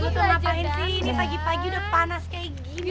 gue tuh ngapain sih ini pagi pagi udah panas kayak gini ya